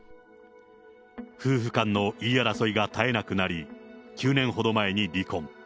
夫婦間の言い争いが絶えなくなり、９年ほど前に離婚。